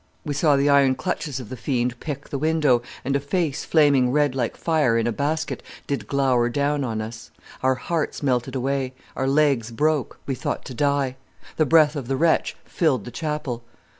We saw the iron clutches of the fiend pick the window, and a face flaming red like fire in a basket did glower down on us. Our hearts melted away, our legs broke, we thought to die. The breath of the wretch filled the chapel.